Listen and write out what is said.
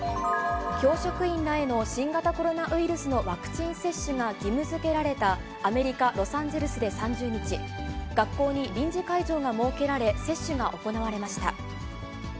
教職員らへの新型コロナウイルスのワクチン接種が義務づけられたアメリカ・ロサンゼルスで３０日、学校に臨時会場が設けられ、接種が行われました。